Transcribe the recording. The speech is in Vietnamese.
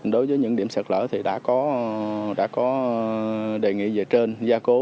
đối với những điểm sạt lở thì đã có đề nghị về trên gia cố